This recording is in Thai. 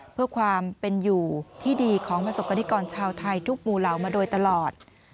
เพื่อความเป็นอยู่ที่ดีของประสบกรณิกรชาวไทยทุกหมู่เหล่ามาโดยตลอด